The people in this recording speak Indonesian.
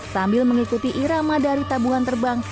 sambil mengikuti irama dari tabungan terbang